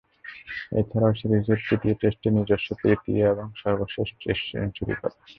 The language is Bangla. এছাড়াও সিরিজের তৃতীয় টেস্টে নিজস্ব তৃতীয় ও সর্বশেষ টেস্ট সেঞ্চুরি করেন।